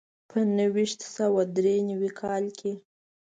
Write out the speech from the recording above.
په نهه ویشت سوه دري نوي کال کې.